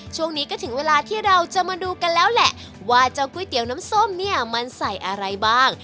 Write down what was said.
ช่วงนี้ก็ถึงเวลาที่เราจะมาดูกันแล้วแหละว่าเจ้าก๋วยเตี๋ยวน้ำส้มเนี่ยมันใส่อะไรบ้าง